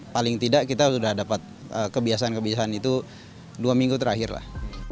paling tidak kita sudah dapat kebiasaan kebiasaan itu dua minggu terakhir lah